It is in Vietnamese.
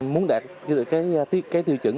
muốn đạt cái tiêu chuẩn